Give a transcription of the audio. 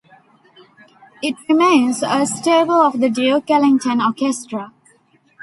It remains a staple of the Duke Ellington Orchestra.